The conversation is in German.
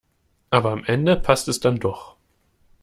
Aber am Ende passt es dann doch.